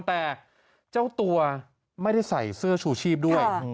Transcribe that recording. แต่เจ้าตัวไม่ได้ใส่เสื้อชูชีพด้วย